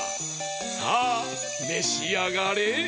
さあめしあがれ！